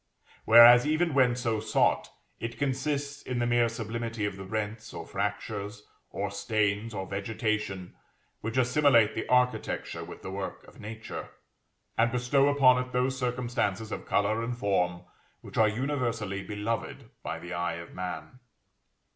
Whereas, even when so sought, it consists in the mere sublimity of the rents, or fractures, or stains, or vegetation, which assimilate the architecture with the work of Nature, and bestow upon it those circumstances of color and form which are universally beloved by the eye of man.